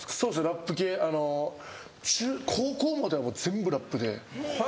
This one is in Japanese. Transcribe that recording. ラップ系高校までは全部ラップで。